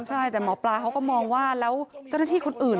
ใช่แต่หมอปลาเขาก็มองว่าแล้วเจ้าหน้าที่คนอื่น